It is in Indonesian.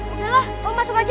udahlah kamu masuk aja